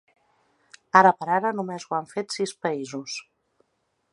Ara per ara només ho han fet sis països.